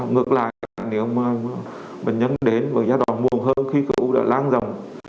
ngược lại nếu mà bệnh nhân đến và giai đoạn muộn hơn khi khối ưu đã lan dòng